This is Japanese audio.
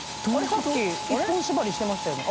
さっき１本縛りしてましたよね。